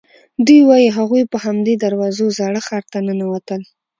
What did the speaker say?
دوی وایي هغوی په همدې دروازو زاړه ښار ته ننوتل.